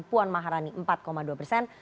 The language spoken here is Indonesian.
puan maharani empat dua persen